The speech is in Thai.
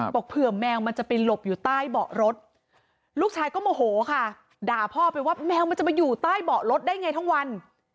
เผื่อแมวมันจะไปหลบอยู่ใต้เบาะรถลูกชายก็โมโหค่ะด่าพ่อไปว่าแมวมันจะมาอยู่ใต้เบาะรถได้ไงทั้งวัน